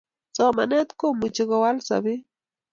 Somanet komuchi kowal sobet